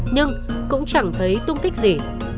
nhưng cũng chẳng thấy tung tích gì